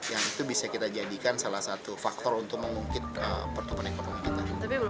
yang itu bisa kita jadikan salah satu faktor untuk mengungkit pertumbuhan ekonomi kita